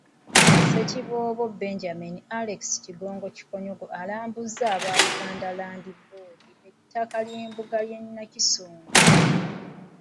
Ssekiboobo Benjamin Alex Kigongo Kikonyogo alambuzza aba Buganda Land Board ettaka ly’embuga y’e Nakisunga.